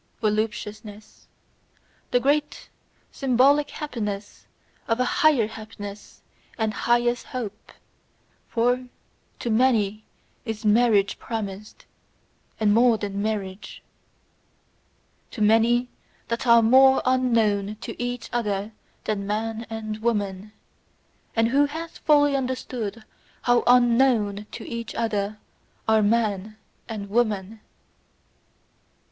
Voluptuousness: the great symbolic happiness of a higher happiness and highest hope. For to many is marriage promised, and more than marriage, To many that are more unknown to each other than man and woman: and who hath fully understood HOW UNKNOWN to each other are man and woman!